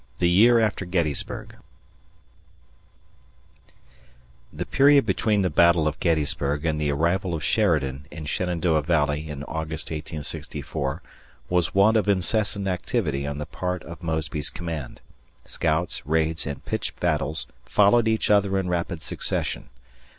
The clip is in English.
CHAPTER XIII THE YEAR AFTER GETTYSBURG [THE period between the battle of Gettysburg and the arrival of Sheridan in Shenandoah Valley, in August, 1864, was one of incessant activity on the part of Mosby's command. Scouts, raids, and pitched battles followed each other in rapid succession.